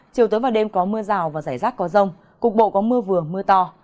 chiều tối và đêm có mưa rào và rải rác có rông cục bộ có mưa vừa mưa to